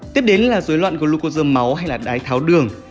tiếp đến là dối loạn glocos máu hay là đái tháo đường